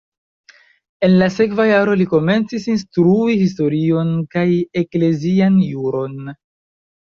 En la sekva jaro li komencis instrui historion kaj eklezian juron.